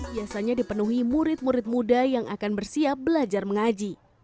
biasanya dipenuhi murid murid muda yang akan bersiap belajar mengaji